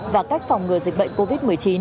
và cách phòng ngừa dịch bệnh covid một mươi chín